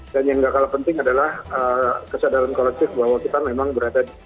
dan yang gak kalah penting adalah kesadaran kolektif bahwa kita memang berada di wilayah